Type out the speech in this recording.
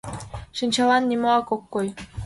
Шинчалан нимоак ок кой...